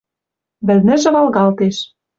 Вӹлнӹжӹ валгалтеш